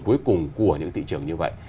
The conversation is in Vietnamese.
cuối cùng của những thị trường như vậy